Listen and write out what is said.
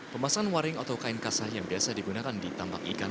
pemasan waring atau kain kasah yang biasa digunakan di tambak ikan